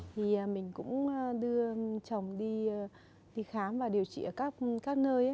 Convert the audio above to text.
thì mình cũng đưa chồng đi khám và điều trị ở các nơi